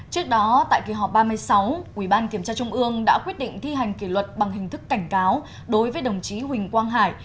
trước đó tại kỳ họp ba mươi sáu ủy ban kiểm tra trung ương đã quyết định thi hành kỷ luật bằng hình thức cảnh cáo đối với đồng chí huỳnh quang hải